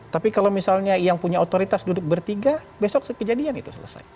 tapi kalau misalnya yang punya otoritas duduk bertiga besok kejadian itu selesai